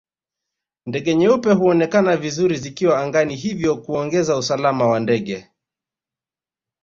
Ndege nyeupe huonekana vizuri zikiwa angani hivyo kuongeza usalama wa ndege